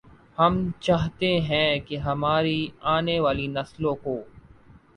ہم چاہتے ہیں کہ ہماری آنے والی نسلوں کو